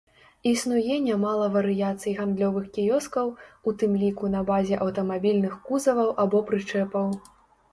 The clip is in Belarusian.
Існуе нямала варыяцый гандлёвых кіёскаў, у тым ліку на базе аўтамабільных кузаваў або прычэпаў.